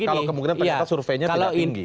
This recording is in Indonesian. kalau kemungkinan ternyata surveinya tidak tinggi